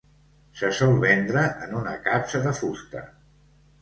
Se sol vendre en una capsa de fusta.